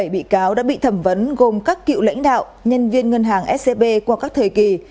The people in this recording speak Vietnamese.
bảy mươi bị cáo đã bị thẩm vấn gồm các cựu lãnh đạo nhân viên ngân hàng scb qua các thời kỳ